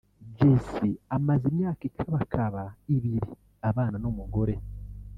Jay C amaze imyaka ikabakaba ibiri abana n’umugore